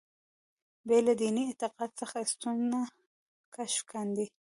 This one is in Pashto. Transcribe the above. بې له دیني اعتقاد څخه سنتونه کشف کاندي.